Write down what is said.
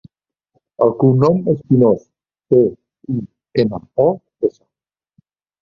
El cognom és Pinos: pe, i, ena, o, essa.